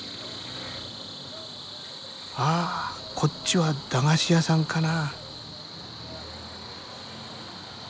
ああこっちは駄菓子屋さんかな。